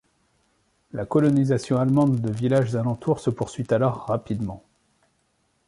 La colonisation allemande de villages alentour se poursuit alors rapidement.